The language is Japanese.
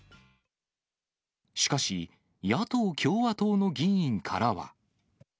しかし、野党・共和党の議員からは。